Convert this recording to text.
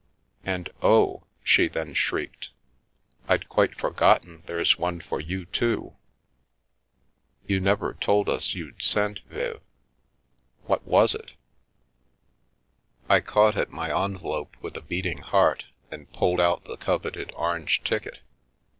"And, oh!" she then shrieked, "I'd quite forgotten there's one for you, too ! You never told Us you'd sent, Viv. What was it?" 314 The World Obtrudes Itself I caught at my envelope with a beating heart, and pulled out the coveted orange ticket.